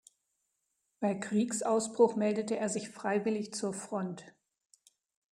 Bei Kriegsausbruch meldete er sich freiwillig zur Front.